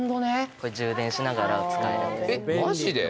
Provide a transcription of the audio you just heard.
これ充電しながら使えるんでえっマジで？